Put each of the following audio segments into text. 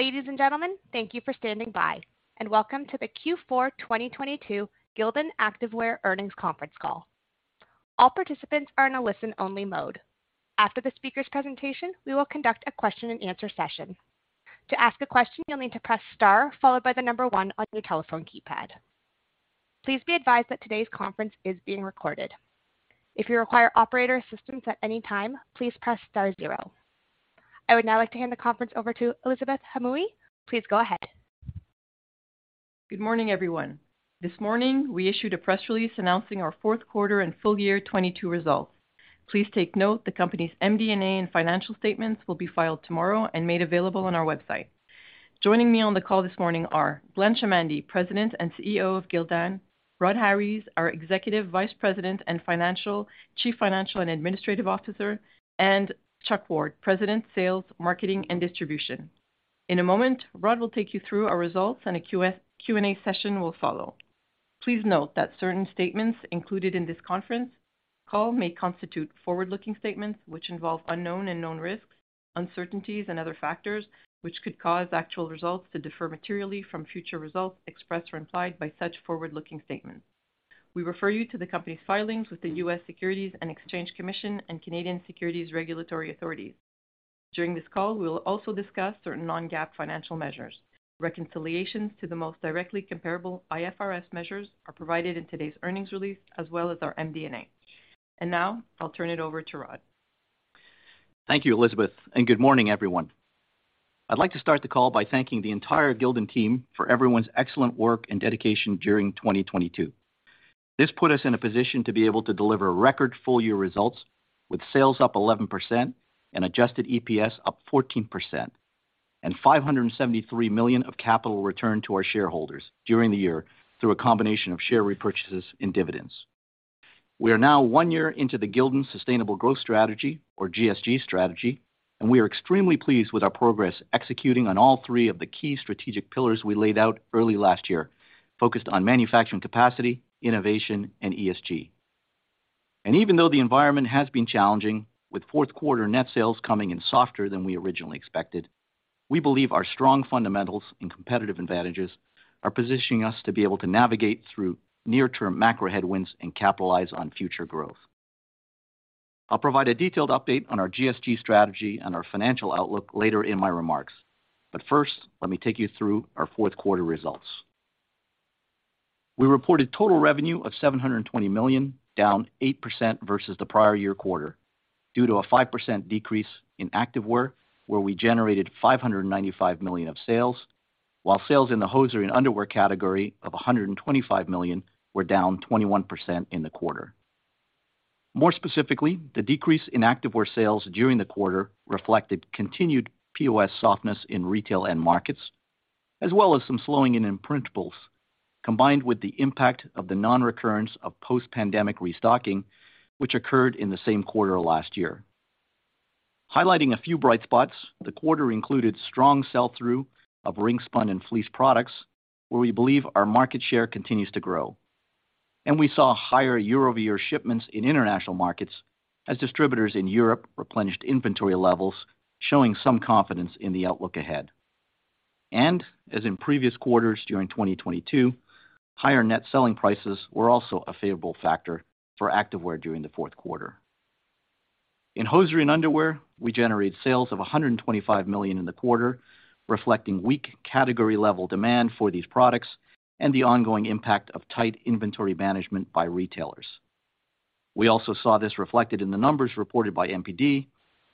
Ladies and gentlemen, thank you for standing by, welcome to the Q4 2022 Gildan Activewear Earnings Conference Call. All participants are in a listen only mode. After the speaker's presentation, we will conduct a question and answer session. To ask a question, you'll need to press Star followed one on your telephone keypad. Please be advised that today's conference is being recorded. If you require operator assistance at any time, please press Star zero. I would now like to hand the conference over to Élisabeth Hamaoui. Please go ahead. Good morning, everyone. This morning, we issued a press release announcing our fourth quarter and full year 2022 results. Please take note the company's MD&A and financial statements will be filed tomorrow and made available on our website. Joining me on the call this morning are Glenn Chamandy, President and CEO of Gildan; Rhod Harries, our Executive Vice President, Chief Financial and Administrative Officer; and Chuck Ward, President, Sales, Marketing, and Distribution. In a moment, Rhod will take you through our results and a Q&A session will follow. Please note that certain statements included in this conference call may constitute forward-looking statements which involve unknown and known risks, uncertainties, and other factors which could cause actual results to differ materially from future results expressed or implied by such forward-looking statements. We refer you to the company's filings with the U.S. Securities and Exchange Commission and Canadian Securities Regulatory Authorities. During this call, we will also discuss certain non-GAAP financial measures. Reconciliations to the most directly comparable IFRS measures are provided in today's earnings release as well as our MD&A. Now I'll turn it over to Rhod. Thank you, Élisabeth, and good morning, everyone. I'd like to start the call by thanking the entire Gildan team for everyone's excellent work and dedication during 2022. This put us in a position to be able to deliver record full year results with sales up 11% and adjusted EPS up 14%, and $573 million of capital returned to our shareholders during the year through a combination of share repurchases and dividends. We are now one year into the Gildan Sustainable Growth strategy, or GSG strategy, and we are extremely pleased with our progress executing on all three of the key strategic pillars we laid out early last year, focused on manufacturing capacity, innovation, and ESG. Even though the environment has been challenging with fourth quarter net sales coming in softer than we originally expected, we believe our strong fundamentals and competitive advantages are positioning us to be able to navigate through near-term macro headwinds and capitalize on future growth. I'll provide a detailed update on our GSG strategy and our financial outlook later in my remarks. First, let me take you through our fourth quarter results. We reported total revenue of $720 million, down 8% versus the prior year quarter due to a 5% decrease in activewear, where we generated $595 million of sales, while sales in the hosiery and underwear category of $125 million were down 21% in the quarter. More specifically, the decrease in activewear sales during the quarter reflected continued POS softness in retail end markets, as well as some slowing in imprintables, combined with the impact of the non-recurrence of post-pandemic restocking, which occurred in the same quarter last year. Highlighting a few bright spots, the quarter included strong sell-through of ring-spun and fleece products, where we believe our market share continues to grow. We saw higher year-over-year shipments in international markets as distributors in Europe replenished inventory levels, showing some confidence in the outlook ahead. As in previous quarters during 2022, higher net selling prices were also a favorable factor for activewear during the fourth quarter. In hosiery and underwear, we generated sales of $125 million in the quarter, reflecting weak category level demand for these products and the ongoing impact of tight inventory management by retailers. We also saw this reflected in the numbers reported by NPD,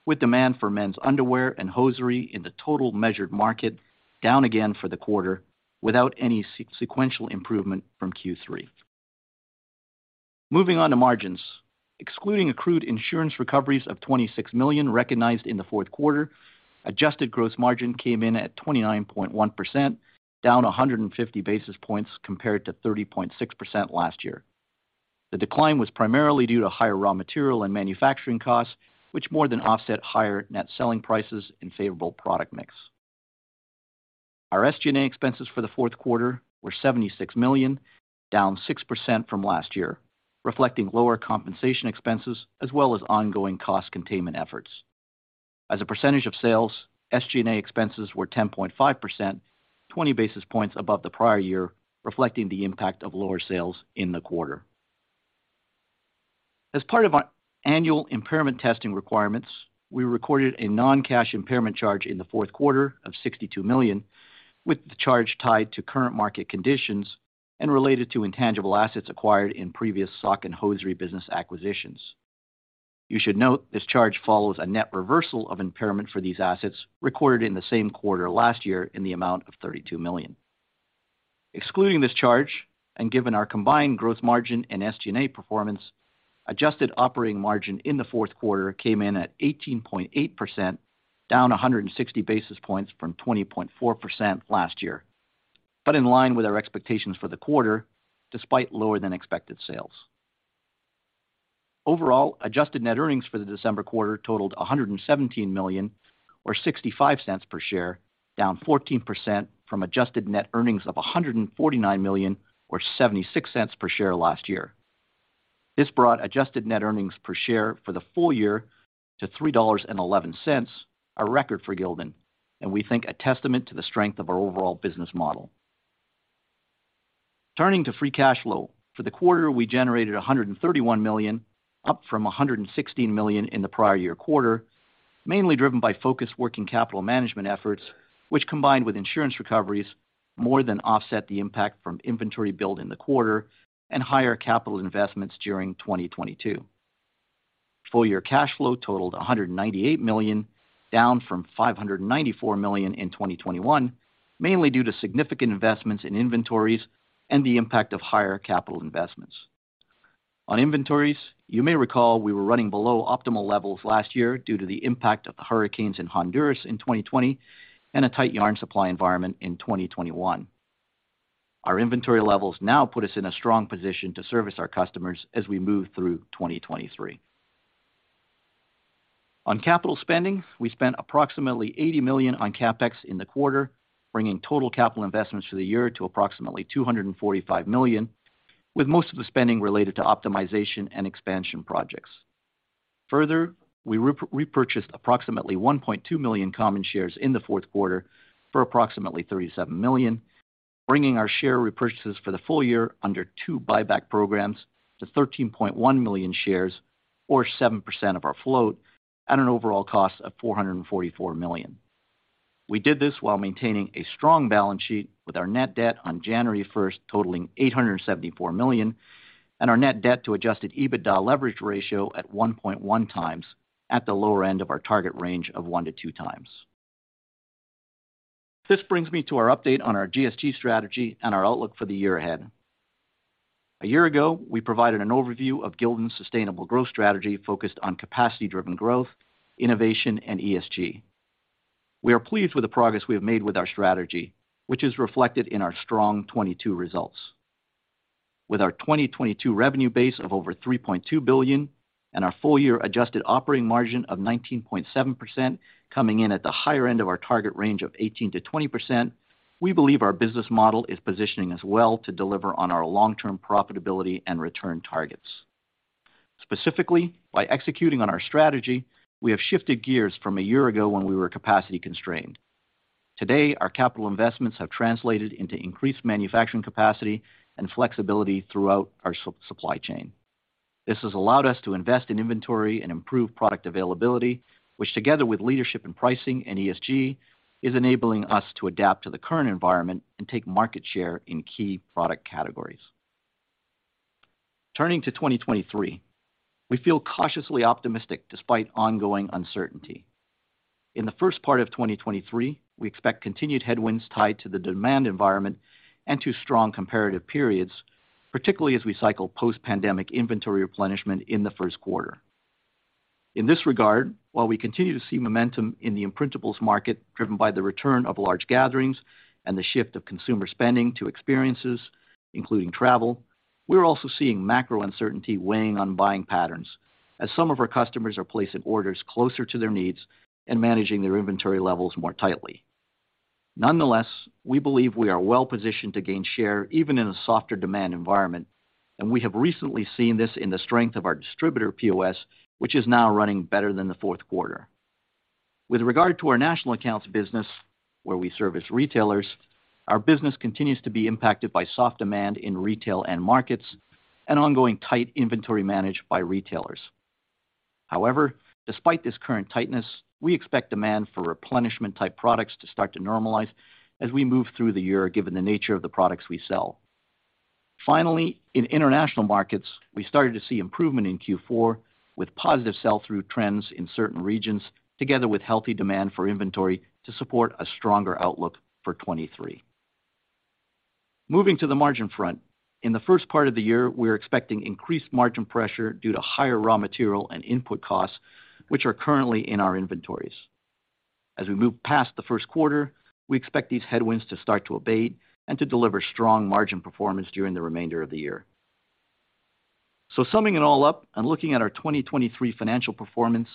with demand for men's underwear and hosiery in the total measured market down again for the quarter without any sequential improvement from Q3. Moving on to margins. Excluding accrued insurance recoveries of $26 million recognized in the fourth quarter, adjusted gross margin came in at 29.1%, down 150 basis points compared to 30.6% last year. The decline was primarily due to higher raw material and manufacturing costs, which more than offset higher net selling prices and favorable product mix. Our SG&A expenses for the fourth quarter were $76 million, down 6% from last year, reflecting lower compensation expenses as well as ongoing cost containment efforts. As a percentage of sales, SG&A expenses were 10.5%, 20 basis points above the prior year, reflecting the impact of lower sales in the quarter. As part of our annual impairment testing requirements, we recorded a non-cash impairment charge in the fourth quarter of $62 million, with the charge tied to current market conditions and related to intangible assets acquired in previous sock and hosiery business acquisitions. You should note this charge follows a net reversal of impairment for these assets recorded in the same quarter last year in the amount of $32 million. Excluding this charge, and given our combined growth margin and SG&A performance, adjusted operating margin in the fourth quarter came in at 18.8%, down 160 basis points from 20.4% last year. In line with our expectations for the quarter, despite lower than expected sales. Overall, adjusted net earnings for the December quarter totaled $117 million or $0.65 per share, down 14% from adjusted net earnings of $149 million or $0.76 per share last year. This brought adjusted net earnings per share for the full year to $3.11, a record for Gildan, and we think a testament to the strength of our overall business model. Turning to free cash flow. For the quarter, we generated $131 million, up from $116 million in the prior year quarter, mainly driven by focused working capital management efforts, which, combined with insurance recoveries, more than offset the impact from inventory build in the quarter and higher capital investments during 2022. Full year cash flow totaled $198 million, down from $594 million in 2021, mainly due to significant investments in inventories and the impact of higher capital investments. On inventories, you may recall we were running below optimal levels last year due to the impact of the hurricanes in Honduras in 2020 and a tight yarn supply environment in 2021. Our inventory levels now put us in a strong position to service our customers as we move through 2023. On capital spending, we spent approximately $80 million on CapEx in the quarter, bringing total capital investments for the year to approximately $245 million, with most of the spending related to optimization and expansion projects. We repurchased approximately 1.2 million common shares in the fourth quarter for approximately $37 million, bringing our share repurchases for the full year under two buyback programs to 13.1 million shares, or 7% of our float, at an overall cost of $444 million. We did this while maintaining a strong balance sheet with our net debt on January 1 totaling $874 million and our net debt to Adjusted EBITDA leverage ratio at 1.1 times at the lower end of our target range of one to two times. This brings me to our update on our GSG strategy and our outlook for the year ahead. A year ago, we provided an overview of Gildan's Sustainable Growth strategy focused on capacity driven growth, innovation, and ESG. We are pleased with the progress we have made with our strategy, which is reflected in our strong 22 results. With our 2022 revenue base of over $3.2 billion and our full year adjusted operating margin of 19.7% coming in at the higher end of our target range of 18%-20%, we believe our business model is positioning us well to deliver on our long term profitability and return targets. Specifically, by executing on our strategy, we have shifted gears from a year ago when we were capacity constrained. Today, our capital investments have translated into increased manufacturing capacity and flexibility throughout our supply chain. This has allowed us to invest in inventory and improve product availability, which, together with leadership in pricing and ESG, is enabling us to adapt to the current environment and take market share in key product categories. Turning to 2023. We feel cautiously optimistic despite ongoing uncertainty. In the first part of 2023, we expect continued headwinds tied to the demand environment and to strong comparative periods, particularly as we cycle post-pandemic inventory replenishment in the first quarter. In this regard, while we continue to see momentum in the imprintables market driven by the return of large gatherings and the shift of consumer spending to experiences, including travel, we are also seeing macro uncertainty weighing on buying patterns as some of our customers are placing orders closer to their needs and managing their inventory levels more tightly. Nonetheless, we believe we are well positioned to gain share even in a softer demand environment, and we have recently seen this in the strength of our distributor POS, which is now running better than the fourth quarter. With regard to our national accounts business, where we service retailers, our business continues to be impacted by soft demand in retail end markets and ongoing tight inventory managed by retailers. Despite this current tightness, we expect demand for replenishment type products to start to normalize as we move through the year, given the nature of the products we sell. In international markets, we started to see improvement in Q4 with positive sell through trends in certain regions, together with healthy demand for inventory to support a stronger outlook for 2023. Moving to the margin front. In the first part of the year, we are expecting increased margin pressure due to higher raw material and input costs, which are currently in our inventories. As we move past the first quarter, we expect these headwinds to start to abate and to deliver strong margin performance during the remainder of the year. Summing it all up and looking at our 2023 financial performance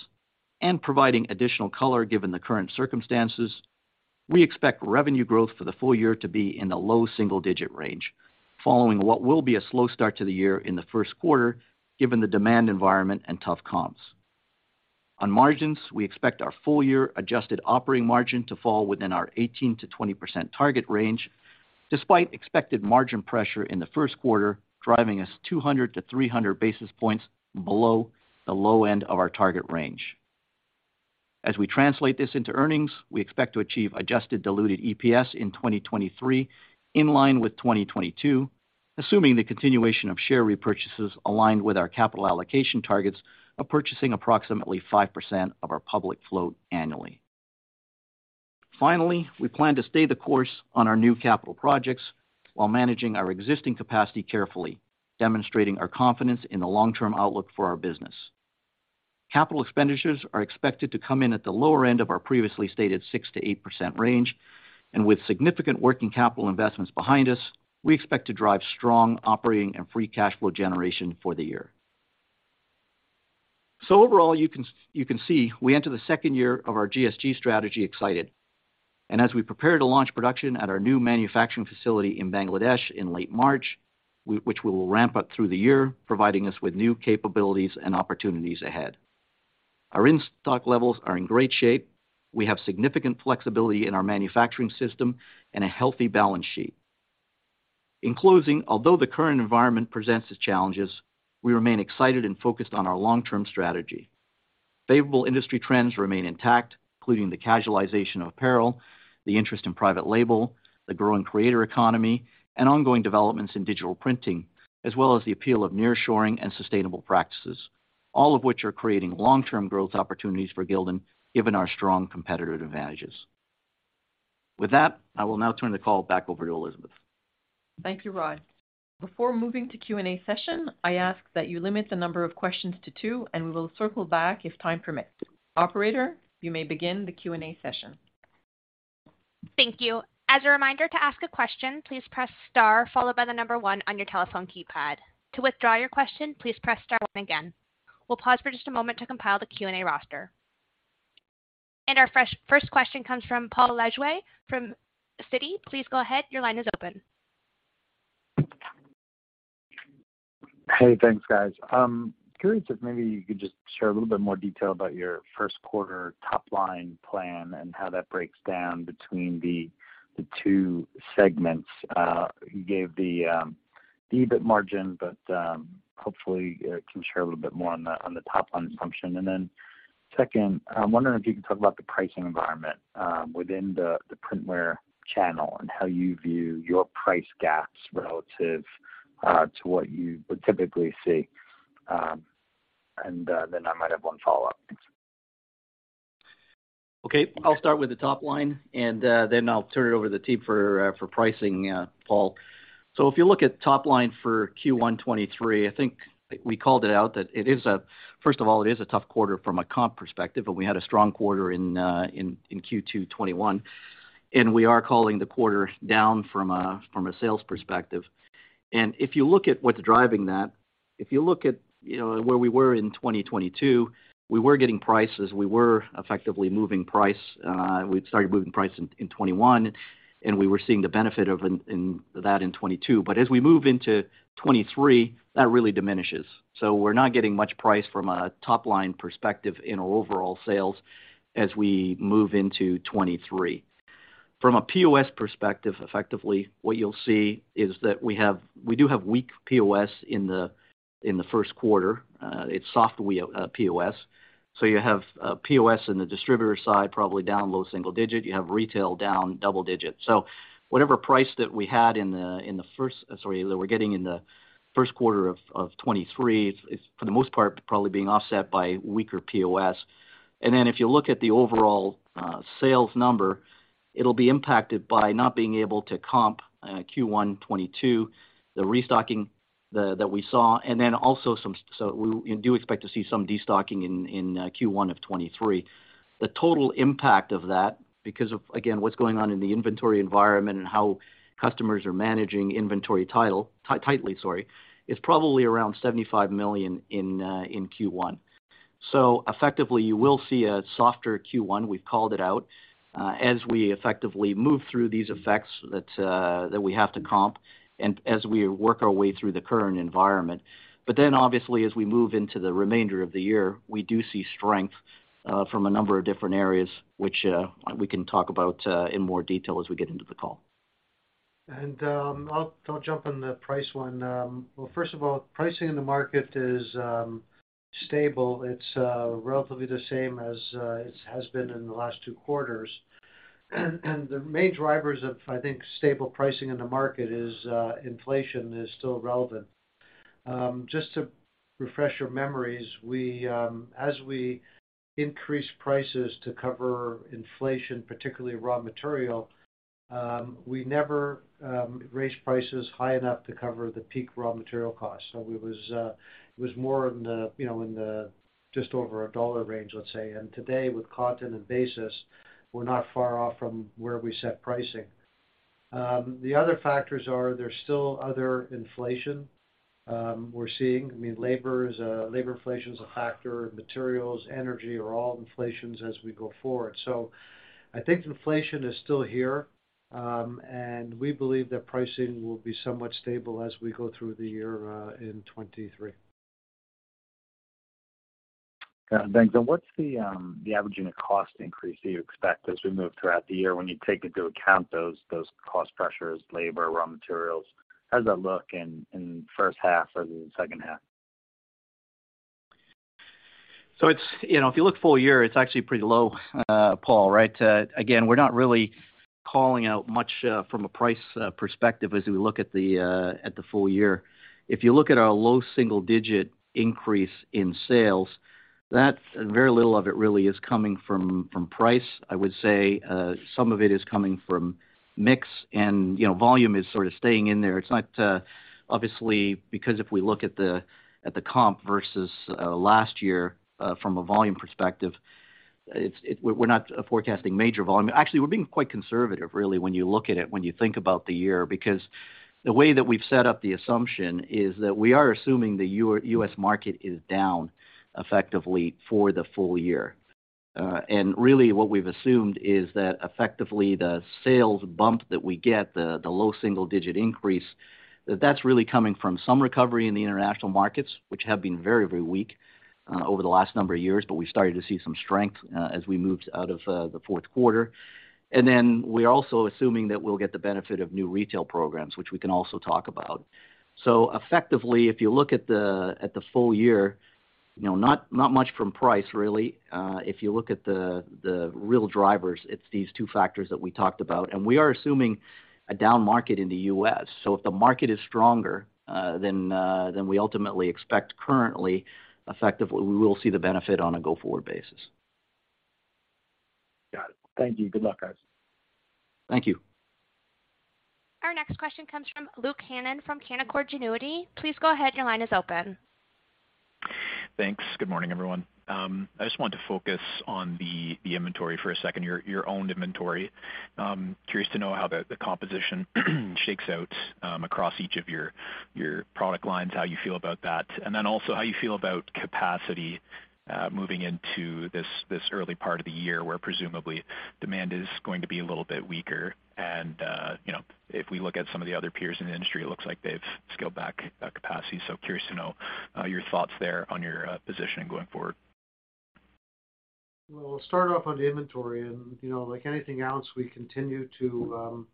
and providing additional color given the current circumstances, we expect revenue growth for the full year to be in the low single-digit range following what will be a slow start to the year in the first quarter given the demand environment and tough comps. On margins, we expect our full year adjusted operating margin to fall within our 18%-20% target range despite expected margin pressure in the first quarter, driving us 200-300 basis points below the low end of our target range. As we translate this into earnings, we expect to achieve adjusted diluted EPS in 2023 in line with 2022, assuming the continuation of share repurchases aligned with our capital allocation targets of purchasing approximately 5% of our public float annually. We plan to stay the course on our new capital projects while managing our existing capacity carefully, demonstrating our confidence in the long term outlook for our business. Capital expenditures are expected to come in at the lower end of our previously stated 6%-8% range, and with significant working capital investments behind us, we expect to drive strong operating and free cash flow generation for the year. Overall, you can see we enter the second year of our GSG strategy excited. As we prepare to launch production at our new manufacturing facility in Bangladesh in late March, which we will ramp up through the year, providing us with new capabilities and opportunities ahead. Our in-stock levels are in great shape. We have significant flexibility in our manufacturing system and a healthy balance sheet. In closing, although the current environment presents its challenges, we remain excited and focused on our long-term strategy. Favorable industry trends remain intact, including the casualization of apparel, the interest in private label, the growing creator economy, and ongoing developments in digital printing, as well as the appeal of nearshoring and sustainable practices, all of which are creating long-term growth opportunities for Gildan, given our strong competitive advantages. With that, I will now turn the call back over to Élisabeth. Thank you, Rhod. Before moving to Q&A session, I ask that you limit the number of questions to two, and we will circle back if time permits. Operator, you may begin the Q&A session. Thank you. As a reminder to ask a question, please press star followed by 1 on your telephone keypad. To withdraw your question, please press star 1 again. We'll pause for just a moment to compile the Q&A roster. Our first question comes from Paul Lejuez from Citi. Please go ahead. Your line is open. Hey, thanks, guys. Curious if maybe you could just share a little bit more detail about your first quarter top line plan and how that breaks down between the two segments. You gave the EBIT margin, but hopefully you can share a little bit more on the top line assumption. Second, I'm wondering if you can talk about the pricing environment within the printwear channel and how you view your price gaps relative to what you would typically see. Then I might have one follow-up. Okay. I'll start with the top line, then I'll turn it over to the team for pricing, Paul. If you look at top line for Q1 2023, I think we called it out that it is a tough quarter from a comp perspective, we had a strong quarter in Q2 2021, and we are calling the quarter down from a sales perspective. If you look at what's driving that, if you look at, you know, where we were in 2022, we were getting prices. We were effectively moving price. We started moving price in 2021, we were seeing the benefit of that in 2022. As we move into 2023, that really diminishes. We're not getting much price from a top line perspective in our overall sales as we move into 2023. From a POS perspective, effectively, what you'll see is that we do have weak POS in the first quarter. It's soft POS. You have POS in the distributor side probably down low single-digit. You have retail down double-digit. Whatever price that we had in the first, sorry, that we're getting in the first quarter of 2023 is for the most part probably being offset by weaker POS. If you look at the overall sales number, it'll be impacted by not being able to comp Q1 2022, the restocking that we saw, and also we do expect to see some destocking in Q1 2023. The total impact of that, because of, again, what's going on in the inventory environment and how customers are managing inventory tightly, sorry, is probably around $75 million in Q1. Effectively, you will see a softer Q1, we've called it out, as we effectively move through these effects that we have to comp and as we work our way through the current environment. Obviously, as we move into the remainder of the year, we do see strength from a number of different areas, which we can talk about in more detail as we get into the call. I'll jump on the price one. Well, first of all, pricing in the market is stable. It's relatively the same as it has been in the last two quarters. The main drivers of, I think, stable pricing in the market is inflation is still relevant. Just to refresh your memories, we, as we increase prices to cover inflation, particularly raw material, we never raise prices high enough to cover the peak raw material costs. It was more in the, you know, in the just over a $1 range, let's say. Today with cotton and basis, we're not far off from where we set pricing. The other factors are there's still other inflation we're seeing. I mean, labor is labor inflation is a factor. Materials, energy are all inflations as we go forward. I think inflation is still here, and we believe that pricing will be somewhat stable as we go through the year in 2023. Yeah. Thanks. What's the average unit cost increase that you expect as we move throughout the year when you take into account those cost pressures, labor, raw materials? How does that look in first half versus second half? It's, you know, if you look full year, it's actually pretty low, Paul, right? Again, we're not really calling out much from a price perspective as we look at the full year. If you look at our low single-digit increase in sales, that's very little of it really is coming from price. I would say, some of it is coming from mix, and, you know, volume is sort of staying in there. It's not obviously, because if we look at the, at the comp versus last year, from a volume perspective, it's we're not forecasting major volume. Actually, we're being quite conservative, really, when you look at it, when you think about the year. The way that we've set up the assumption is that we are assuming the U.S. market is down effectively for the full year. Really what we've assumed is that effectively the sales bump that we get, the low single digit increase, that that's really coming from some recovery in the international markets, which have been very weak over the last number of years, but we started to see some strength as we moved out of the fourth quarter. We're also assuming that we'll get the benefit of new retail programs, which we can also talk about. Effectively, if you look at the, at the full year, you know, not much from price really. If you look at the real drivers, it's these two factors that we talked about. We are assuming a down market in the U.S. If the market is stronger, than we ultimately expect currently, effectively, we will see the benefit on a go-forward basis. Got it. Thank you. Good luck, guys. Thank you. Our next question comes from Luke Hannan from Canaccord Genuity. Please go ahead. Your line is open. Thanks. Good morning, everyone. I just want to focus on the inventory for a second, your own inventory. Curious to know how the composition shakes out, across each of your product lines, how you feel about that. Then also how you feel about capacity, moving into this early part of the year where presumably demand is going to be a little bit weaker and, you know, if we look at some of the other peers in the industry, it looks like they've scaled back capacity. Curious to know your thoughts there on your positioning going forward. Well, I'll start off on the inventory. You know, like anything else, we continue to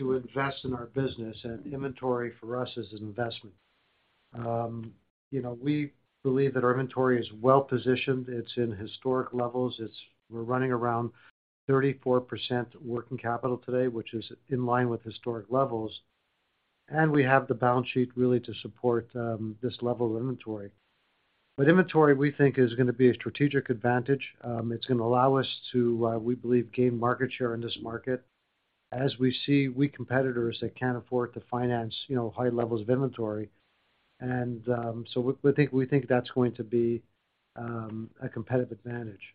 invest in our business, and inventory for us is an investment. You know, we believe that our inventory is well-positioned. It's in historic levels. We're running around 34% working capital today, which is in line with historic levels. We have the balance sheet really to support this level of inventory. Inventory, we think, is gonna be a strategic advantage. It's gonna allow us to, we believe, gain market share in this market as we see weak competitors that can't afford to finance, you know, high levels of inventory. So we think that's going to be a competitive advantage.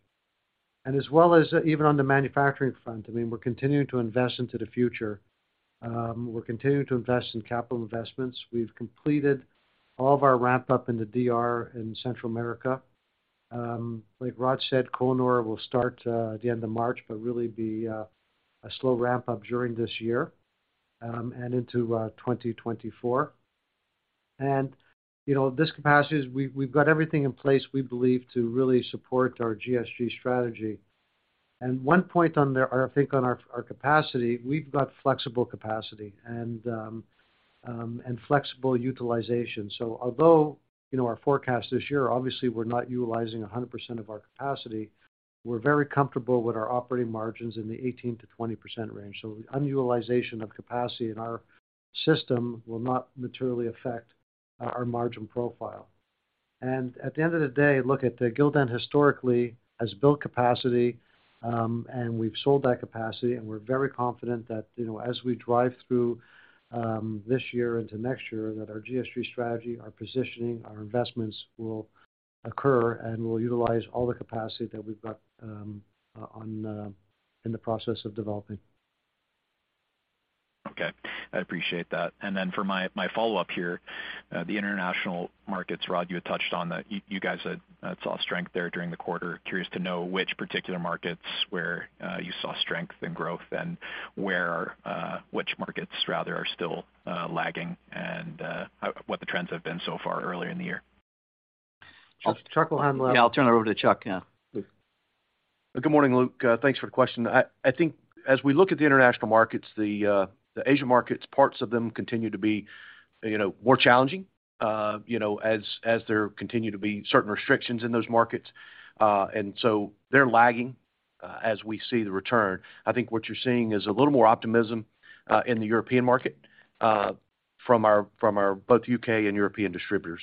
As well as even on the manufacturing front, I mean, we're continuing to invest into the future. We're continuing to invest in capital investments. We've completed all of our ramp-up in the DR in Central America. Like Rhod said, uncertain will start at the end of March, but really be a slow ramp-up during this year, and into 2024. You know, this capacity is we've got everything in place, we believe, to really support our GSG strategy. One point on there, I think on our capacity, we've got flexible capacity and flexible utilization. Although, you know, our forecast this year, obviously we're not utilizing 100% of our capacity, we're very comfortable with our operating margins in the 18%-20% range. Un-utilization of capacity in our system will not materially affect our margin profile. At the end of the day, look at the Gildan historically has built capacity. We've sold that capacity. We're very confident that, you know, as we drive through this year into next year, that our GSG strategy, our positioning, our investments will occur. We'll utilize all the capacity that we've got in the process of developing. Okay. I appreciate that. For my follow-up here, the international markets. Rod, you had touched on that you guys had saw strength there during the quarter. Curious to know which particular markets where you saw strength and growth and where which markets rather are still lagging and what the trends have been so far earlier in the year? Chuck will handle that. Yeah, I'll turn it over to Chuck. Yeah. Please. Good morning, Luke. Thanks for the question. I think as we look at the international markets, the Asia markets, parts of them continue to be, you know, more challenging, you know, as there continue to be certain restrictions in those markets. They're lagging as we see the return. I think what you're seeing is a little more optimism in the European market from our both UK and European distributors.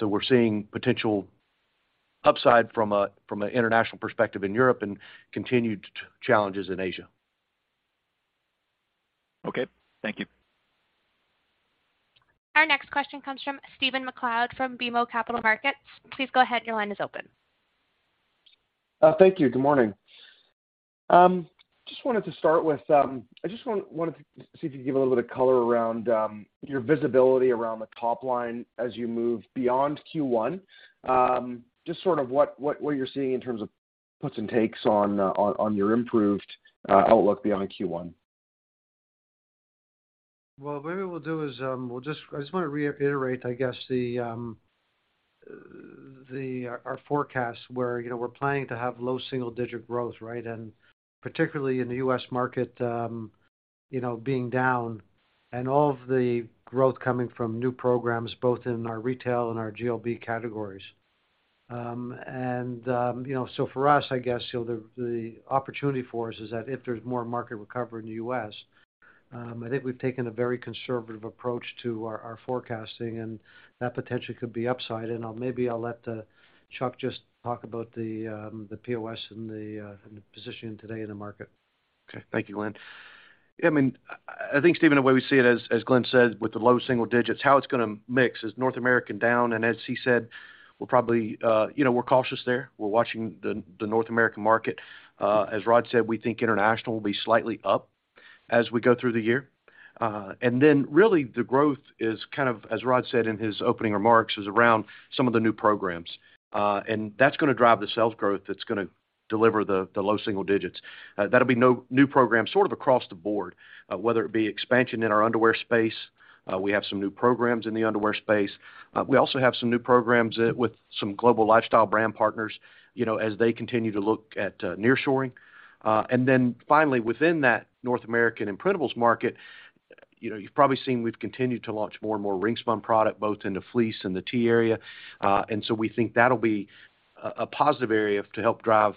We're seeing potential upside from a from an international perspective in Europe and continued challenges in Asia. Okay. Thank you. Our next question comes from Stephen MacLeod from BMO Capital Markets. Please go ahead. Your line is open. Thank you. Good morning. I just wanted to start with, I wanted to see if you could give a little bit of color around your visibility around the top line as you move beyond Q1, just sort of what you're seeing in terms of puts and takes on your improved outlook beyond Q1? Well, maybe what we'll do is, I just wanna reiterate, I guess, our forecast where, you know, we're planning to have low single digit growth, right? Particularly in the U.S. market, you know, being down and all of the growth coming from new programs both in our retail and our GLB categories. You know, for us, I guess, you know, the opportunity for us is that if there's more market recovery in the U.S., I think we've taken a very conservative approach to our forecasting, and that potentially could be upside. Maybe I'll let Chuck just talk about the POS and the positioning today in the market. Okay. Thank you, Glenn. Yeah, I mean, I think, Stephen, the way we see it as Glenn said, with the low single digits, how it's gonna mix is North American down, and as he said, we're probably, you know, we're cautious there. We're watching the North American market. As Rhod said, we think international will be slightly up as we go through the year. Really the growth is kind of, as Rhod said in his opening remarks, is around some of the new programs. That's gonna drive the sales growth that's gonna deliver the low single digits. That'll be new programs sort of across the board, whether it be expansion in our underwear space, we have some new programs in the underwear space. We also have some new programs with some Global Lifestyle Brands partners, you know, as they continue to look at nearshoring. Finally, within that North American imprintables market, you know, you've probably seen we've continued to launch more and more ring-spun product, both in the fleece and the tee area. We think that'll be a positive area to help drive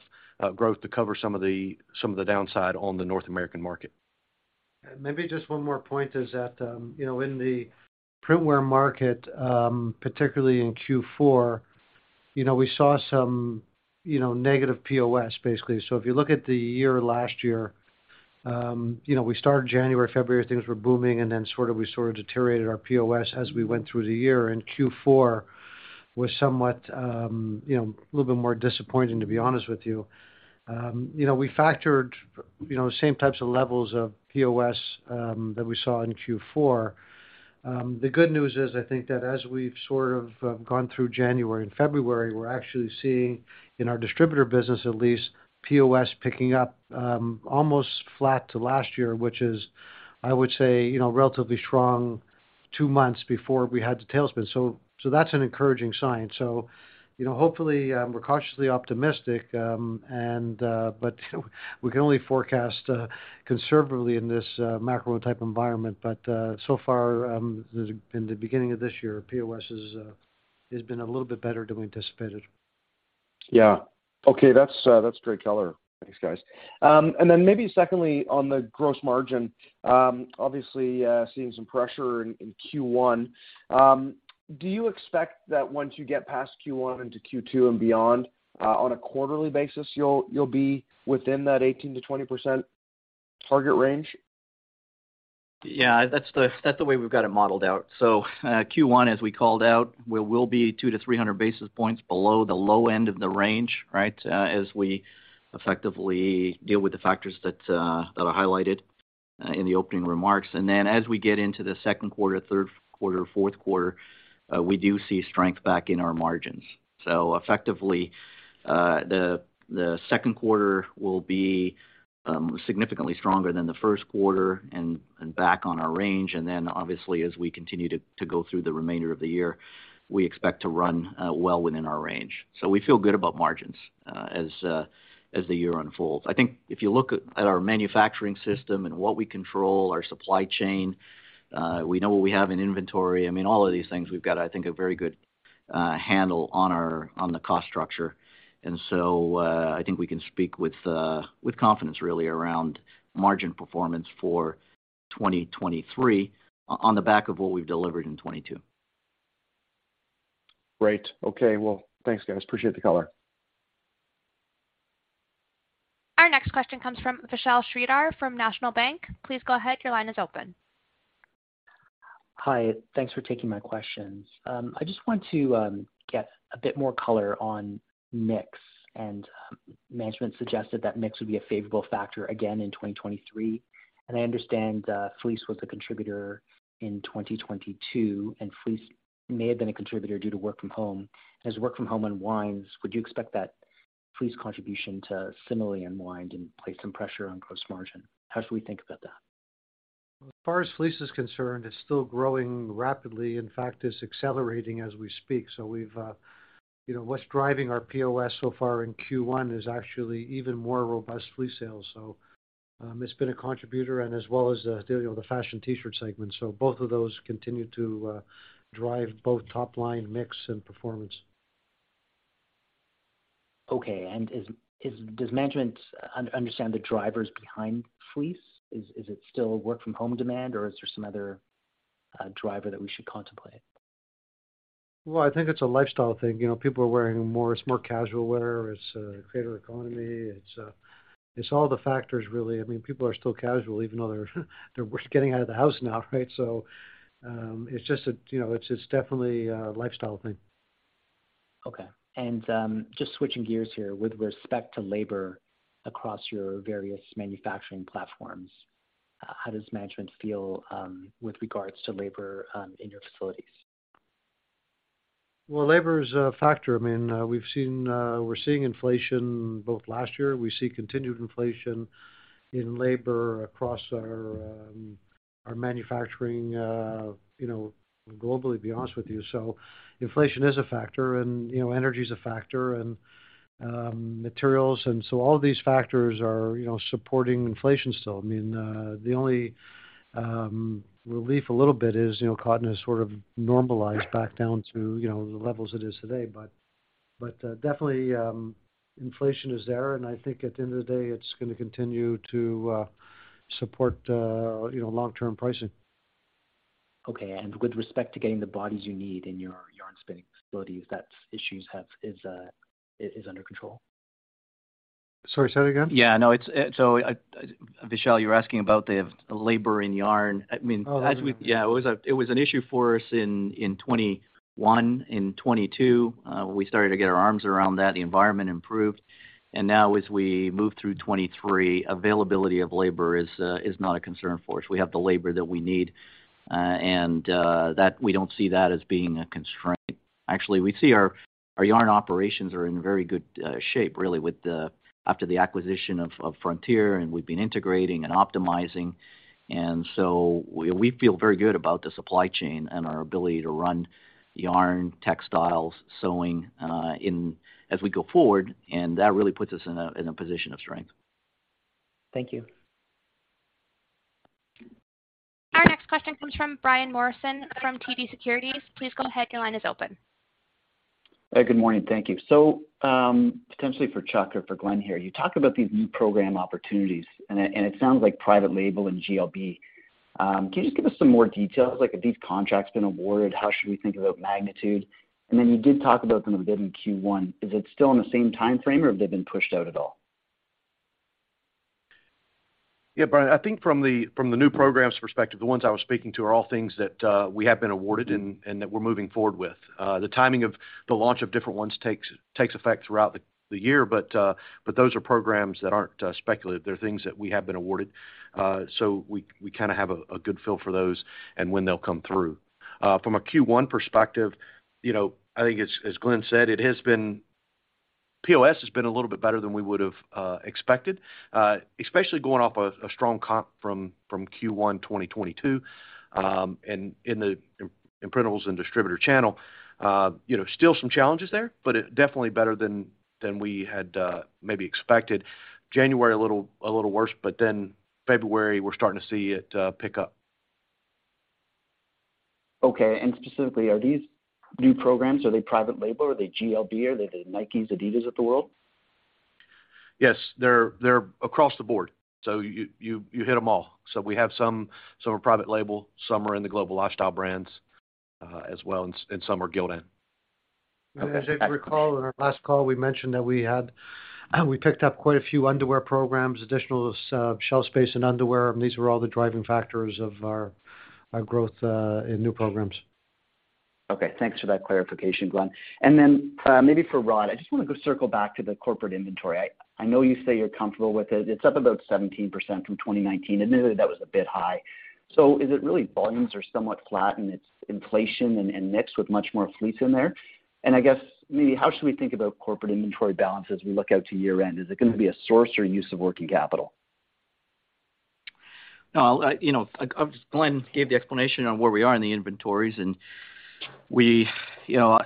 growth to cover some of the, some of the downside on the North American market. Maybe just one more point is that in the print wear market, particularly in Q4, we saw some negative POS, basically. If you look at the year last year, we started January, February, things were booming, and then sort of we deteriorated our POS as we went through the year, and Q4 was somewhat a little bit more disappointing, to be honest with you. We factored the same types of levels of POS that we saw in Q4. The good news is, I think that as we've sort of gone through January and February, we're actually seeing, in our distributor business at least, POS picking up, almost flat to last year, which is, I would say, you know, relatively strong two months before we had the tailspin. That's an encouraging sign. You know, hopefully, we're cautiously optimistic. We can only forecast conservatively in this macro type environment. So far, in the beginning of this year, POS is has been a little bit better than we anticipated. Okay. That's great color. Thanks, guys. Then maybe secondly, on the gross margin, obviously, seeing some pressure in Q1. Do you expect that once you get past Q1 into Q2 and beyond, on a quarterly basis, you'll be within that 18%-20% target range? Yeah. That's the way we've got it modeled out. Q1, as we called out, we will be 200-300 basis points below the low end of the range, right, as we effectively deal with the factors that I highlighted in the opening remarks. As we get into the second quarter, third quarter, fourth quarter, we do see strength back in our margins. Effectively, the second quarter will be significantly stronger than the first quarter and back on our range. Obviously, as we continue to go through the remainder of the year, we expect to run well within our range. We feel good about margins as the year unfolds. I think if you look at our manufacturing system and what we control, our supply chain, we know what we have in inventory. I mean, all of these things, we've got, I think, a very good handle on the cost structure. I think we can speak with confidence really around margin performance for 2023 on the back of what we've delivered in 2022. Great. Okay. Well, thanks, guys. Appreciate the color. Our next question comes from Vishal Shridhar from National Bank. Please go ahead. Your line is open. Hi. Thanks for taking my questions. I just want to get a bit more color on mix. Management suggested that mix would be a favorable factor again in 2023. I understand fleece was a contributor in 2022, and fleece may have been a contributor due to work from home. As work from home unwinds, would you expect that fleece contribution to similarly unwind and place some pressure on gross margin? How should we think about that? As far as fleece is concerned, it's still growing rapidly. In fact, it's accelerating as we speak. We've, you know, what's driving our POS so far in Q1 is actually even more robust fleece sales. It's been a contributor and as well as the, you know, the fashion T-shirt segment. Both of those continue to drive both top line mix and performance. Okay. Does management understand the drivers behind fleece? Is it still work from home demand, or is there some other driver that we should contemplate? I think it's a lifestyle thing. You know, people are wearing more... It's more casual wear. It's creator economy. It's all the factors, really. I mean, people are still casual, even though they're getting out of the house now, right? It's just a, you know, it's definitely a lifestyle thing. Okay. Just switching gears here with respect to labor across your various manufacturing platforms, how does management feel with regards to labor in your facilities? Well, labor is a factor. I mean, we've seen, we're seeing inflation both last year, we see continued inflation in labor across our manufacturing, you know, globally, to be honest with you. Inflation is a factor and, you know, energy is a factor and, materials. All these factors are, you know, supporting inflation still. I mean, the only relief a little bit is, you know, cotton has sort of normalized back down to, you know, the levels it is today. Definitely, inflation is there, and I think at the end of the day, it's gonna continue to, support, you know, long-term pricing. Okay. with respect to getting the bodies you need in your yarn spinning facilities, is under control? Sorry, say that again. Yeah, no, it's so, Vishal, you were asking about the labor in yarn. I mean. Oh, that's right. Yeah, it was an issue for us in 21, in 22. We started to get our arms around that, the environment improved. Now as we move through 23, availability of labor is not a concern for us. We have the labor that we need, and we don't see that as being a constraint. Actually, we see our yarn operations are in very good shape, really, after the acquisition of Frontier, and we've been integrating and optimizing. So we feel very good about the supply chain and our ability to run yarn, textiles, sewing as we go forward, and that really puts us in a position of strength. Thank you. Our next question comes from Brian Morrison from TD Securities. Please go ahead, your line is open. Hey, good morning. Thank you. Potentially for Chuck or for Glenn here. You talk about these new program opportunities, and it sounds like private label and GLB. Can you just give us some more details? Like, have these contracts been awarded? How should we think about magnitude? Then you did talk about them a bit in Q1. Is it still in the same timeframe, or have they been pushed out at all? Brian, I think from the new programs perspective, the ones I was speaking to are all things that we have been awarded and that we're moving forward with. The timing of the launch of different ones takes effect throughout the year, but those are programs that aren't speculative. They're things that we have been awarded. So we kinda have a good feel for those and when they'll come through. From a Q1 perspective, you know, I think as Glenn said, POS has been a little bit better than we would've expected, especially going off a strong comp from Q1 2022. And in the imprintables and distributor channel, you know, still some challenges there, but definitely better than we had maybe expected. January a little worse. February, we're starting to see it pick up. Okay. Specifically, are these new programs, are they private label? Are they GLB? Are they the Nikes, adidas of the world? Yes. They're across the board. You hit them all. We have some are private label, some are in the Global Lifestyle Brands, as well, and some are Gildan. As I recall, in our last call, we mentioned that we picked up quite a few underwear programs, additional shelf space in underwear. These were all the driving factors of our growth in new programs. Okay, thanks for that clarification, Glenn. Maybe for Rhod. I just want to go circle back to the corporate inventory. I know you say you're comfortable with it. It's up about 17% from 2019. Admittedly, that was a bit high. Is it really volumes are somewhat flat, and it's inflation and mix with much more fleece in there? I guess, maybe how should we think about corporate inventory balance as we look out to year-end? Is it going to be a source or use of working capital? No, you know, Glenn gave the explanation on where we are in the inventories. You know,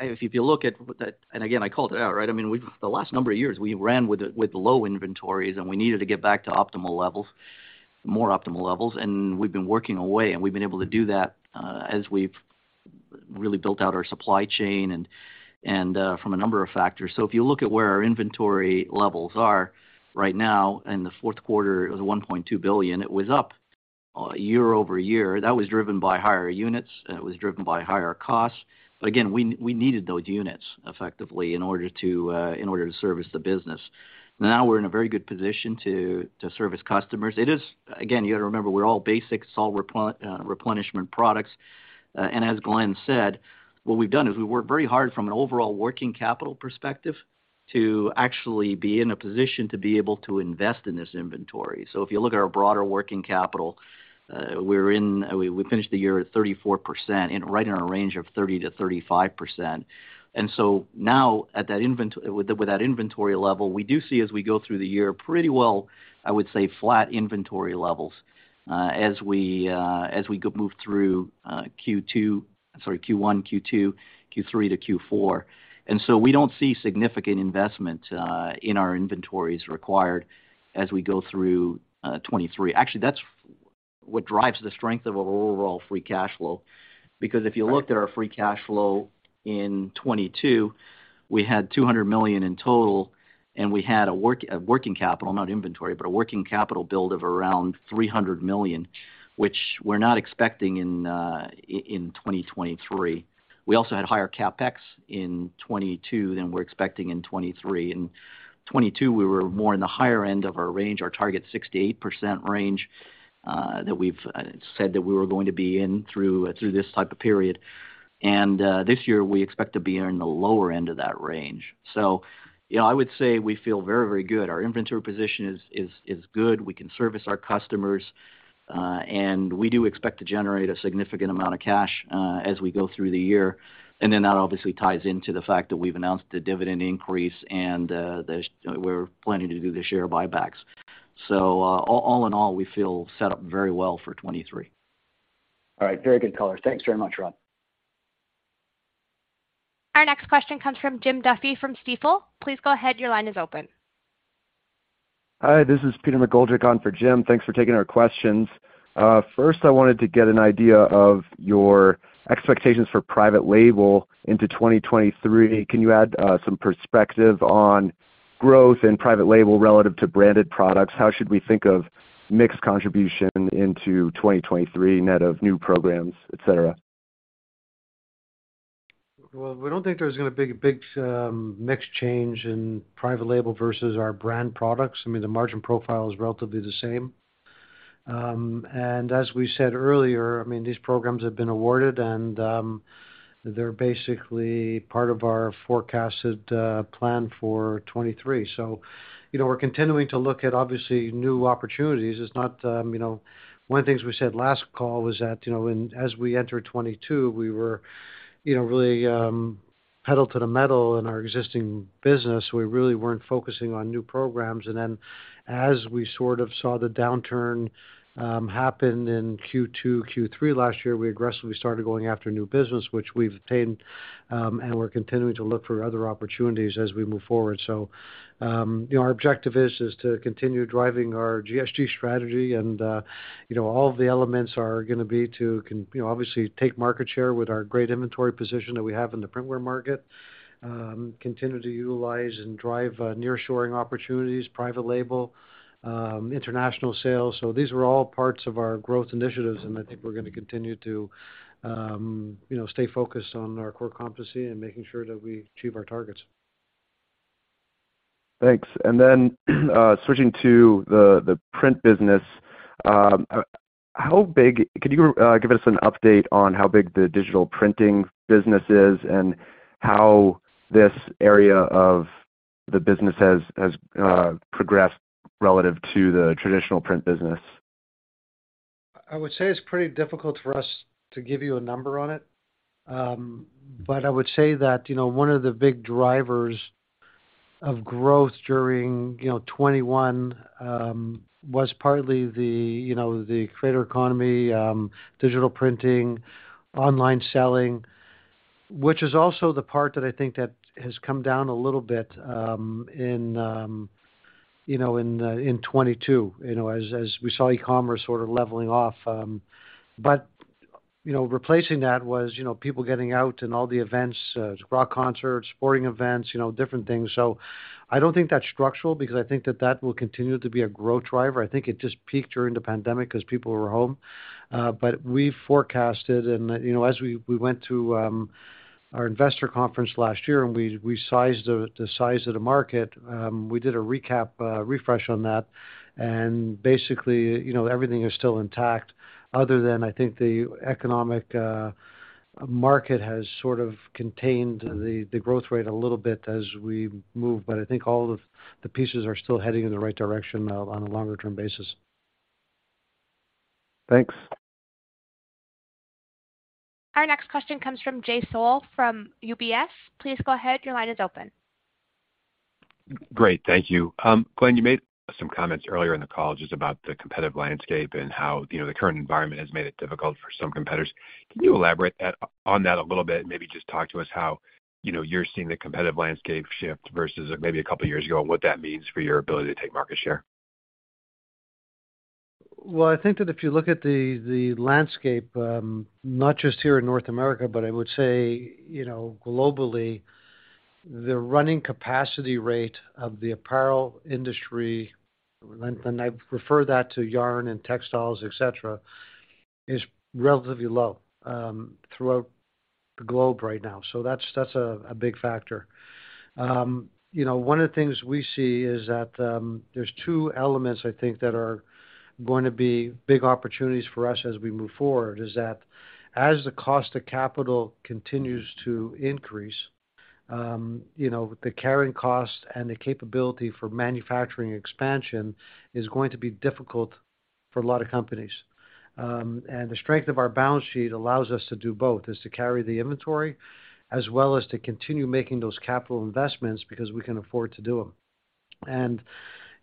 if you look at that, and again, I called it out, right? I mean, we've the last number of years, we ran with low inventories, and we needed to get back to optimal levels, more optimal levels. We've been working away, and we've been able to do that as we've really built out our supply chain and from a number of factors. If you look at where our inventory levels are right now in the fourth quarter, it was $1.2 billion. It was up year-over-year. That was driven by higher units, and it was driven by higher costs. Again, we needed those units effectively in order to in order to service the business. Now we're in a very good position to service customers. Again, you gotta remember, we're all basic, it's all replenishment products. As Glenn said, what we've done is we worked very hard from an overall working capital perspective to actually be in a position to be able to invest in this inventory. If you look at our broader working capital, we finished the year at 34%, right in our range of 30%-35%. Now at that inventory level, we do see as we go through the year pretty well, I would say, flat inventory levels, as we move through, Q2, sorry, Q1, Q2, Q3 to Q4. We don't see significant investment in our inventories required as we go through 2023. Actually, that's what drives the strength of our overall free cash flow. If you looked at our free cash flow in 2022, we had $200 million in total, and we had a working capital, not inventory, but a working capital build of around $300 million, which we're not expecting in 2023. We also had higher CapEx in 2022 than we're expecting in 2023. In 2022, we were more in the higher end of our range, our target 68% range that we've said that we were going to be in through this type of period. This year, we expect to be in the lower end of that range. You know, I would say we feel very, very good. Our inventory position is good. We can service our customers, and we do expect to generate a significant amount of cash as we go through the year. That obviously ties into the fact that we've announced the dividend increase and the share buybacks. All in all, we feel set up very well for 23. All right. Very good color. Thanks very much, Rhod. Our next question comes from Jim Duffy from Stifel. Please go ahead, your line is open. Hi, this is Peter McGoldrick on for Jim. Thanks for taking our questions. First, I wanted to get an idea of your expectations for private label into 2023. Can you add some perspective on growth in private label relative to branded products? How should we think of mix contribution into 2023 net of new programs, et cetera? Well, we don't think there's gonna be a big mix change in private label versus our brand products. I mean, the margin profile is relatively the same. As we said earlier, I mean, these programs have been awarded, and they're basically part of our forecasted plan for 2023. You know, we're continuing to look at obviously new opportunities. It's not, you know, one of the things we said last call was that, you know, as we enter 2022, we were, you know, really pedal to the metal in our existing business. We really weren't focusing on new programs. As we sort of saw the downturn happen in Q2, Q3 last year, we aggressively started going after new business, which we've obtained, and we're continuing to look for other opportunities as we move forward. You know, our objective is to continue driving our GSG strategy and, you know, all of the elements are gonna be to, you know, obviously take market share with our great inventory position that we have in the printwear market, continue to utilize and drive, nearshoring opportunities, private label, international sales. These are all parts of our growth initiatives, and I think we're gonna continue to, you know, stay focused on our core competency and making sure that we achieve our targets. Thanks. Switching to the print business. Could you give us an update on how big the digital printing business is and how this area of the business has progressed relative to the traditional print business? I would say it's pretty difficult for us to give you a number on it. I would say that, you know, one of the big drivers of growth during, you know, 2021, was partly the, you know, the creator economy, digital printing, online selling, which is also the part that I think that has come down a little bit, in, you know, in 2022, you know, as we saw e-commerce sort of leveling off. Replacing that was, you know, people getting out and all the events, rock concerts, sporting events, you know, different things. I don't think that's structural because I think that that will continue to be a growth driver. I think it just peaked during the pandemic 'cause people were home. We forecasted and, you know, as we went to our investor conference last year and we sized the size of the market, we did a recap refresh on that. Basically, you know, everything is still intact other than I think the economic market has sort of contained the growth rate a little bit as we move, but I think all of the pieces are still heading in the right direction on a longer term basis. Thanks. Our next question comes from Jay Sole from UBS. Please go ahead. Your line is open. Great. Thank you. Glenn, you made some comments earlier in the call just about the competitive landscape and how, you know, the current environment has made it difficult for some competitors. Can you elaborate on that a little bit and maybe just talk to us how, you know, you're seeing the competitive landscape shift versus maybe a couple of years ago and what that means for your ability to take market share? Well, I think that if you look at the landscape, not just here in North America, but I would say, you know, globally, the running capacity rate of the apparel industry, and I refer that to yarn and textiles, et cetera, is relatively low throughout the globe right now. That's, that's a big factor. You know, one of the things we see is that there's two elements I think that are going to be big opportunities for us as we move forward, is that as the cost of capital continues to increase, you know, the carrying cost and the capability for manufacturing expansion is going to be difficult for a lot of companies. The strength of our balance sheet allows us to do both, is to carry the inventory as well as to continue making those capital investments because we can afford to do them.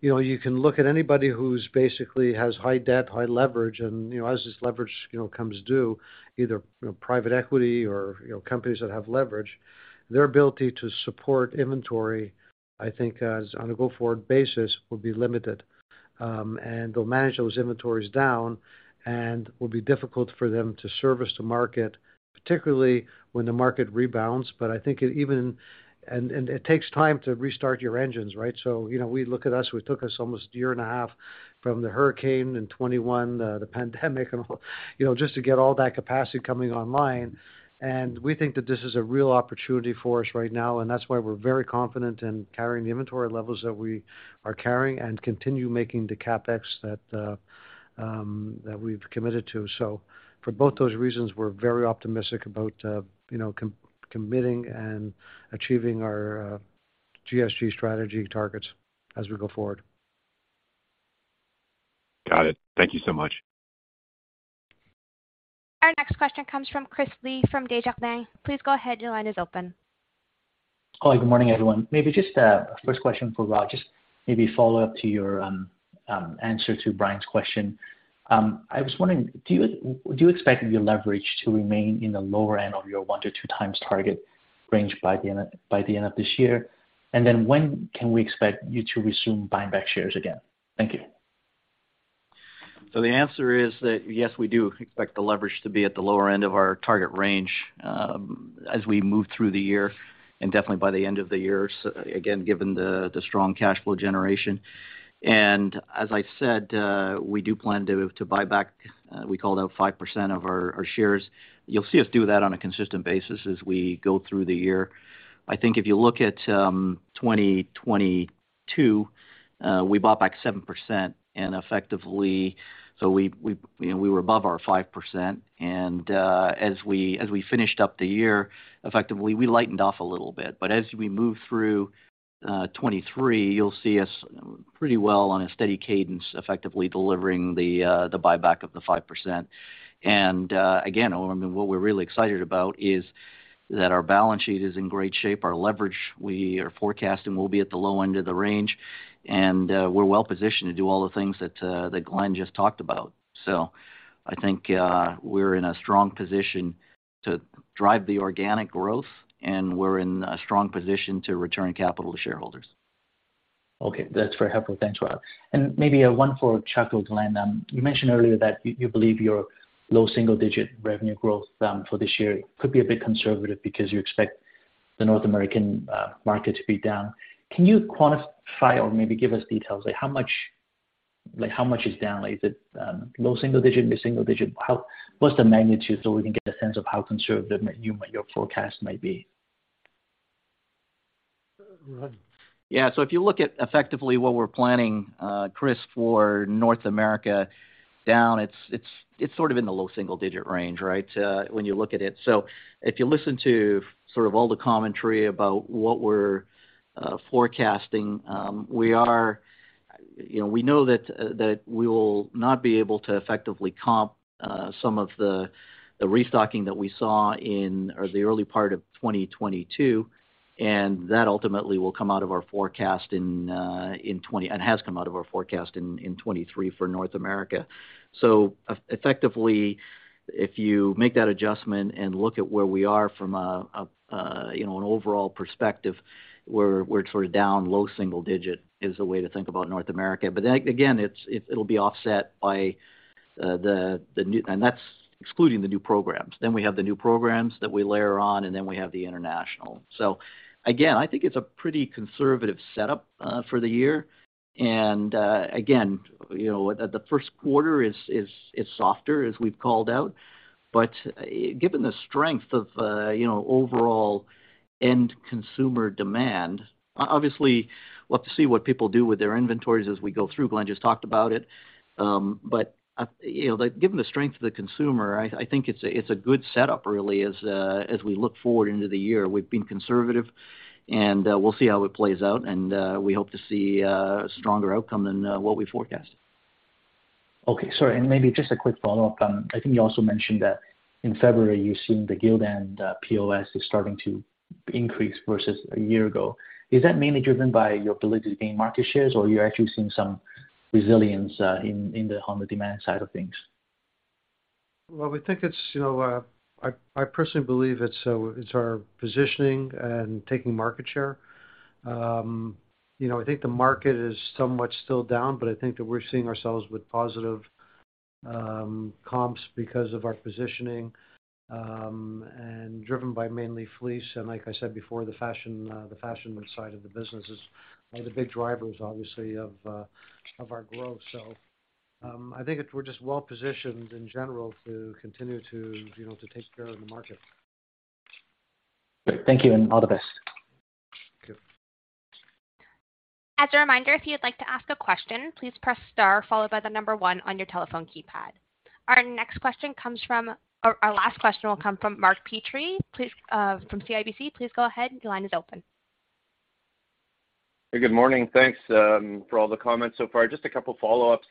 You know, you can look at anybody who's basically has high debt, high leverage, and, you know, as this leverage, you know, comes due, either, you know, private equity or, you know, companies that have leverage, their ability to support inventory, I think as on a go-forward basis, will be limited. They'll manage those inventories down and will be difficult for them to service the market, particularly when the market rebounds. I think it takes time to restart your engines, right? You know, we look at us, it took us almost a year and a half from the hurricane in 2021, the pandemic and all, you know, just to get all that capacity coming online. We think that this is a real opportunity for us right now, and that's why we're very confident in carrying the inventory levels that we are carrying and continue making the CapEx that we've committed to. For both those reasons, we're very optimistic about, you know, committing and achieving our GSG strategy targets as we go forward. Got it. Thank you so much. Our next question comes from Chris Li from Desjardins. Please go ahead. Your line is open. Hi. Good morning, everyone. Maybe just a first question for Rhod, just maybe follow up to your answer to Brian's question. I was wondering, do you expect your leverage to remain in the lower end of your one to two times target range by the end of this year? When can we expect you to resume buying back shares again? Thank you. The answer is that, yes, we do expect the leverage to be at the lower end of our target range, as we move through the year and definitely by the end of the year again, given the strong cash flow generation. As I said, we do plan to buy back, we called out 5% of our shares. You'll see us do that on a consistent basis as we go through the year. I think if you look at, 2020- Two, we bought back 7% and effectively, you know, we were above our 5%. As we finished up the year, effectively, we lightened off a little bit. As we move through 2023, you'll see us pretty well on a steady cadence, effectively delivering the buyback of the 5%. Again, I mean, what we're really excited about is that our balance sheet is in great shape. Our leverage, we are forecasting will be at the low end of the range. We're well-positioned to do all the things that Glenn just talked about. I think we're in a strong position to drive the organic growth, and we're in a strong position to return capital to shareholders. Okay. That's very helpful. Thanks, Rhod. Maybe one for Chuck or Glenn. You mentioned earlier that you believe your low single digit revenue growth for this year could be a bit conservative because you expect the North American market to be down. Can you quantify or maybe give us details? Like, how much is down? Is it low single digit, mid-single digit? What's the magnitude so we can get a sense of how conservative your forecast might be? Go ahead. If you look at effectively what we're planning, Chris, for North America down, it's sort of in the low single-digit range, right? When you look at it. If you listen to sort of all the commentary about what we're forecasting, we are, you know, we know that we will not be able to effectively comp some of the restocking that we saw in or the early part of 2022, and that ultimately will come out of our forecast. Has come out of our forecast in 2023 for North America. Effectively, if you make that adjustment and look at where we are from a, you know, an overall perspective, we're sort of down low single-digit, is a way to think about North America. Again, it'll be offset by the new. That's excluding the new programs. We have the new programs that we layer on, we have the international. Again, I think it's a pretty conservative setup for the year. Again, you know, the first quarter is softer, as we've called out. Given the strength of, you know, overall end consumer demand, obviously we'll have to see what people do with their inventories as we go through. Glenn just talked about it. You know, given the strength of the consumer, I think it's a good setup really as we look forward into the year. We've been conservative, and, we'll see how it plays out, and, we hope to see a stronger outcome than, what we forecasted. Okay. Sorry, maybe just a quick follow-up. I think you also mentioned that in February, you've seen the Gildan POS starting to increase versus a year-ago. Is that mainly driven by your ability to gain market shares, or you're actually seeing some resilience on the demand side of things? Well, we think it's, you know, I personally believe it's our positioning and taking market share. You know, I think the market is somewhat still down, but I think that we're seeing ourselves with positive comps because of our positioning, and driven by mainly fleece. Like I said before, the fashion side of the business is, are the big drivers, obviously, of our growth. I think that we're just well positioned in general to continue to, you know, to take care of the market. Great. Thank you, and all the best. Thank you. As a reminder, if you'd like to ask a question, please press star followed by the number one on your telephone keypad. Our next question comes from... Our last question will come from Mark Petrie. Please from CIBC, please go ahead. Your line is open. Hey, good morning. Thanks, for all the comments so far. Just a couple follow-ups.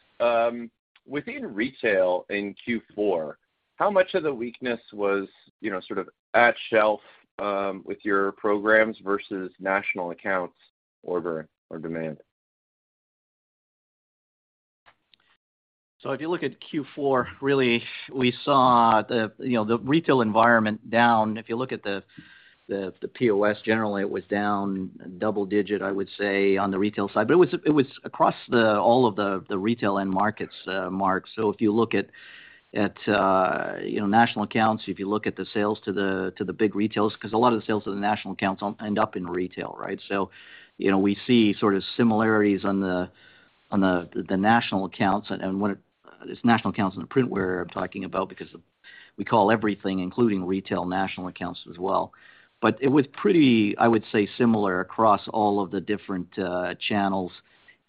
Within retail in Q4, how much of the weakness was, you know, sort of at shelf, with your programs versus national accounts order or demand? If you look at Q4, really we saw the, you know, the retail environment down. If you look at the POS, generally it was down double-digit, I would say, on the retail side. It was across all of the retail end markets, Mark. If you look at, you know, national accounts, if you look at the sales to the big retailers, 'cause a lot of the sales to the national accounts end up in retail, right? You know, we see sort of similarities on the national accounts. It's national accounts in the print wear I'm talking about because we call everything including retail, national accounts as well. It was pretty, I would say, similar across all of the different channels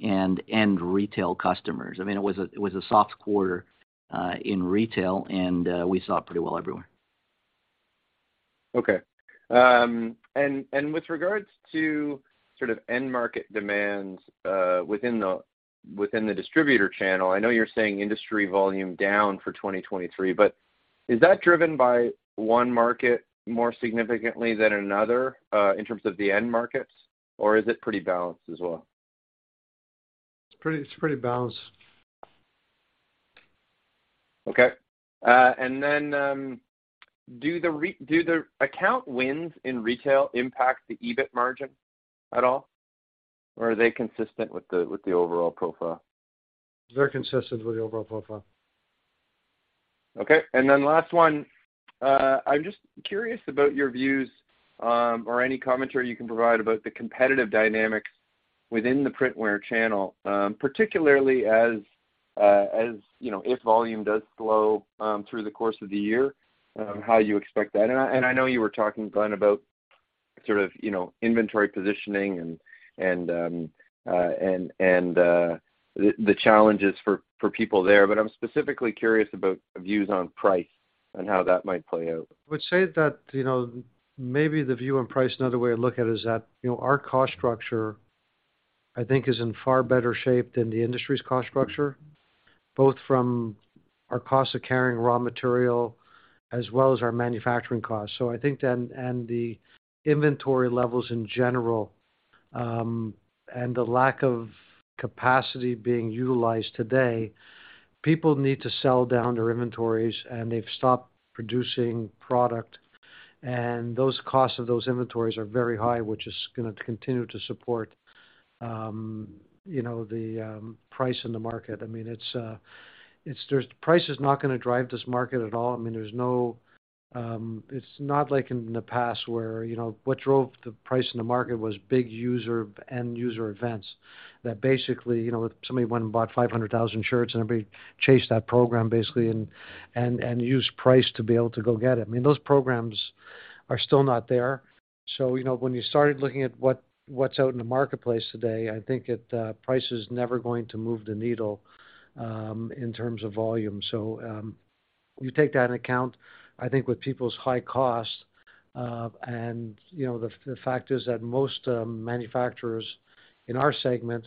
and end retail customers. I mean, it was a soft quarter in retail, and we saw it pretty well everywhere. Okay. With regards to sort of end market demands, within the distributor channel, I know you're saying industry volume down for 2023, but is that driven by one market more significantly than another, in terms of the end markets, or is it pretty balanced as well? It's pretty balanced. Okay. Then, do the account wins in retail impact the EBIT margin at all, or are they consistent with the overall profile? They're consistent with the overall profile. Okay. Last one. I'm just curious about your views, or any commentary you can provide about the competitive dynamics within the print wear channel, particularly as you know, if volume does slow through the course of the year, how you expect that? I know you were talking, Glenn, about sort of, you know, inventory positioning and, the challenges for people there. I'm specifically curious about views on price and how that might play out. I would say that, you know, maybe the view on price, another way to look at it is that, you know, our cost structure, I think, is in far better shape than the industry's cost structure, both from our cost of carrying raw material as well as our manufacturing costs. The inventory levels in general, and the lack of capacity being utilized today, people need to sell down their inventories, and they've stopped producing product. Those costs of those inventories are very high, which is gonna continue to support, you know, the price in the market. I mean, it's. Price is not gonna drive this market at all. I mean, there's no. It's not like in the past where, you know, what drove the price in the market was big user, end user events that basically, you know, somebody went and bought 500,000 shirts, and everybody chased that program, basically, and used price to be able to go get it. I mean, those programs are still not there. You know, when you started looking at what's out in the marketplace today, I think it, price is never going to move the needle in terms of volume. You take that into account, I think, with people's high costs. You know, the fact is that most manufacturers in our segment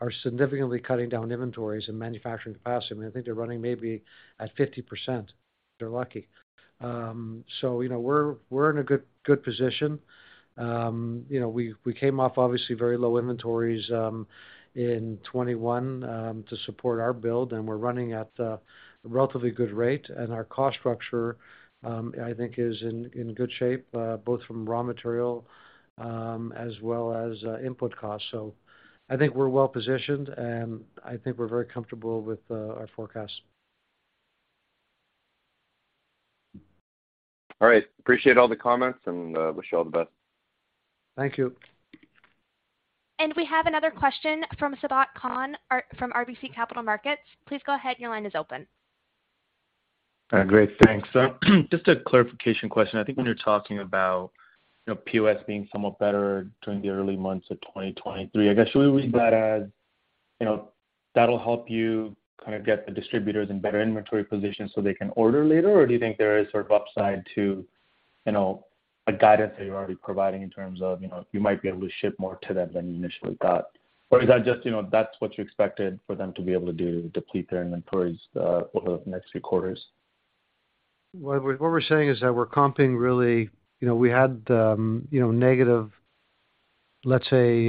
are significantly cutting down inventories and manufacturing capacity. I mean, I think they're running maybe at 50%, if they're lucky. You know, we're in a good position. You know, we came off obviously very low inventories, in 2021, to support our build, and we're running at a relatively good rate. Our cost structure, I think is in good shape, both from raw material, as well as, input costs. I think we're well-positioned, and I think we're very comfortable with, our forecast. All right. Appreciate all the comments and, wish you all the best. Thank you. We have another question from Sabahat Khan from RBC Capital Markets. Please go ahead, your line is open. Great. Thanks. Just a clarification question. I think when you're talking about, you know, POS being somewhat better during the early months of 2023, I guess, should we read that as, you know, that'll help you kind of get the distributors in better inventory position so they can order later? Or do you think there is sort of upside to, you know, a guidance that you're already providing in terms of, you know, you might be able to ship more to them than you initially thought? Or is that just, you know, that's what you expected for them to be able to do, deplete their inventories over the next few quarters? What we're saying is that we're comping really. You know, we had, you know, negative, let's say,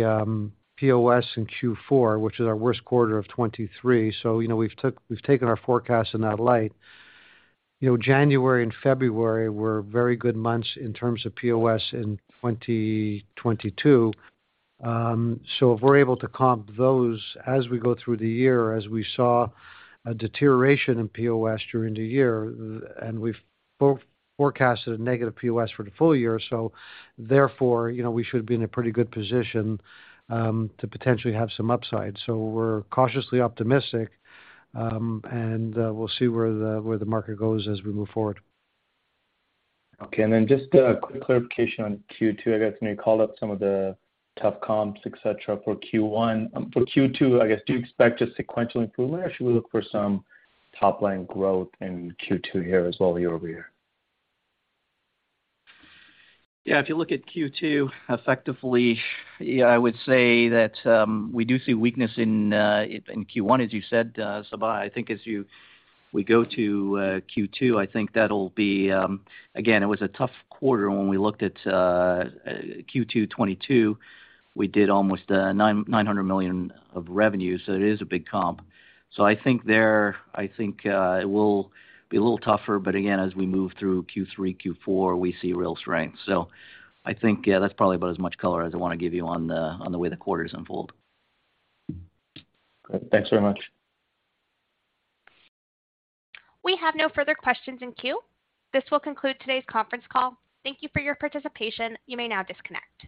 POS in Q4, which is our worst quarter of 2023. You know, we've taken our forecast in that light. You know, January and February were very good months in terms of POS in 2022. If we're able to comp those as we go through the year, as we saw a deterioration in POS during the year, and we've forecasted a negative POS for the full year, therefore, you know, we should be in a pretty good position, to potentially have some upside. We're cautiously optimistic, and we'll see where the market goes as we move forward. Okay. Then just a quick clarification on Q2. I guess, I mean, you called out some of the tough comps, et cetera, for Q1. For Q2, I guess, do you expect a sequential improvement, or should we look for some top-line growth in Q2 here as well year-over-year? If you look at Q2 effectively, I would say that, we do see weakness in Q1, as you said, Sabahat. I think as we go to Q2, I think that'll be, again, it was a tough quarter when we looked at Q2 2022. We did almost $900 million of revenue. It is a big comp. I think there, I think, it will be a little tougher. Again, as we move through Q3, Q4, we see real strength. I think that's probably about as much color as I wanna give you on the way the quarters unfold. Great. Thanks very much. We have no further questions in queue. This will conclude today's conference call. Thank you for your participation. You may now disconnect.